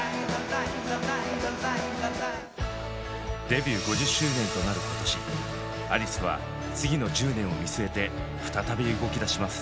デビュー５０周年となる今年アリスは次の１０年を見据えて再び動きだします。